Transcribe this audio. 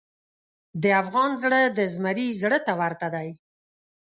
د افغان زړه د زمري زړه ته ورته دی.